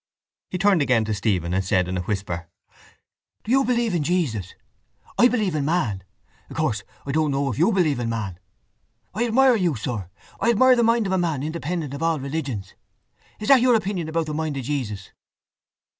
He turned again to Stephen and said in a whisper: —Do you believe in Jesus? I believe in man. Of course, I don't know if you believe in man. I admire you, sir. I admire the mind of man independent of all religions. Is that your opinion about the mind of Jesus?